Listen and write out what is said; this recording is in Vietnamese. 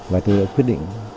và tôi đã quyết định